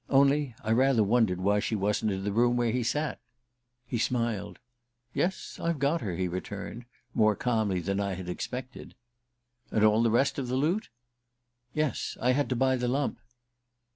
Only I rather wondered why she wasn't in the room where he sat. He smiled. "Yes, I've got her," he returned, more calmly than I had expected. "And all the rest of the loot?" "Yes. I had to buy the lump."